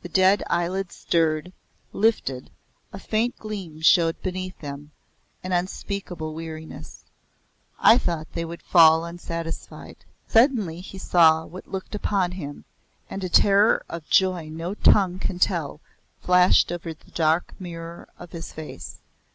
The dead eyelids stirred, lifted, a faint gleam showed beneath them, an unspeakable weariness. I thought they would fall unsatisfied. Suddenly he saw What looked upon him, and a terror of joy no tongue can tell flashed over the dark mirror of his face.